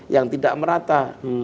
yang tidak merata